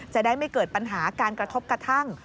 จะได้ไม่เกิดปัญหาการกระทบกระทั่ง